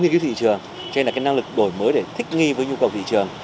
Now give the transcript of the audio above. cho nên là cái năng lực đổi mới để thích nghi với nhu cầu thị trường